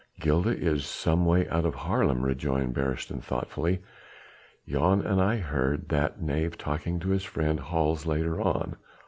"Gilda is some way out of Haarlem," rejoined Beresteyn thoughtfully. "Jan and I heard that knave talking to his friend Hals later on.